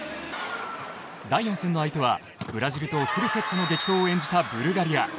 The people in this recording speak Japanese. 第４戦の相手はブラジルとフルセットの激闘を演じたブルガリア。